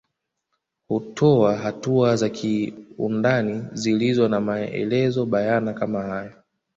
Hutoa hatua za kiundani zilizo na maelezo bayana kama hayo